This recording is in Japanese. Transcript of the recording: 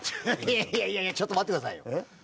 いやいやいやいやちょっと待ってくださいよ。